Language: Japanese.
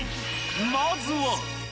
まずは。